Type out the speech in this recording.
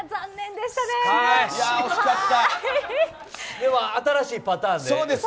でも新しいパターンで。